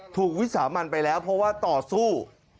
ถูกวิสามันไปแล้วเพราะว่าต่อสู้